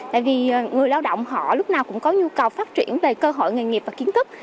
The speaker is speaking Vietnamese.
tại vì người lao động họ lúc nào cũng có nhu cầu phát triển về cơ hội nghề nghiệp và kiến thức